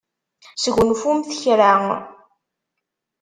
Sgunfumt kra.